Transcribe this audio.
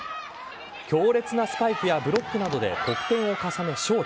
強烈なスパイクやブロックなどで得点を重ね、勝利。